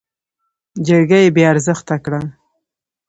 جرګه يې بې ارزښته کړه.